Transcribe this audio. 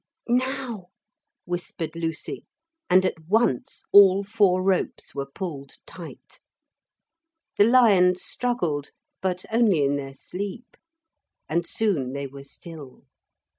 'Now!' whispered Lucy, and at once all four ropes were pulled tight. The lions struggled, but only in their sleep. And soon they were still.